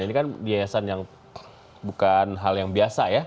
ini kan yayasan yang bukan hal yang biasa ya